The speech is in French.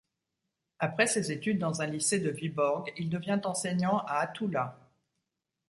Après ses études dans un lycée de Vyborg, il devient enseignant à Hattula.